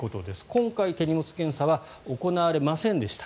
今回、手荷物検査は行われませんでした。